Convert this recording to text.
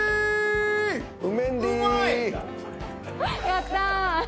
やった。